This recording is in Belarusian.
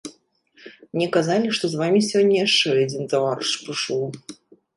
Мне казалі, што з вамі сёння яшчэ адзін таварыш прыйшоў.